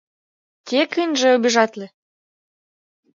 Тек ынже обижатле!